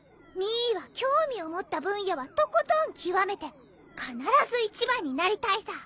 ミーは興味を持った分野はとことん極めて必ず１番になりたいさ。